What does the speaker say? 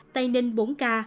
tây ninh bốn ca